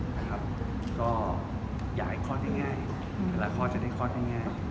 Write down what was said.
ก็อยากให้คลอดได้ง่ายแต่ละคลอดจะได้คลอดได้ง่าย